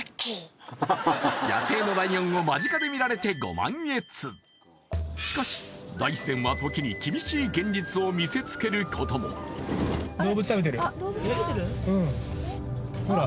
野生のライオンを間近で見られてしかし大自然は時に厳しい現実を見せつけることもほら